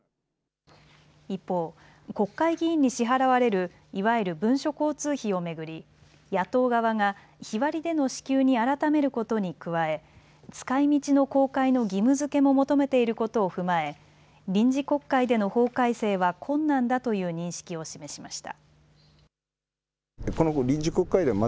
一方、国会議員に支払われるいわゆる文書交通費を巡り野党側が日割りでの支給に改めることに加え使いみちの公開の義務づけも求めていることを踏まえ臨時国会での法改正は困難だという認識を示しました。